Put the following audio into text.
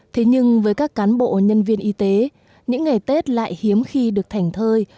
thế nhưng với các cán bộ nhân viên y tế những ngày tết lại hiếm khi được thảnh thơi